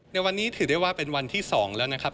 ในวันนี้ถือได้ว่าเป็นวันที่๒แล้วนะครับ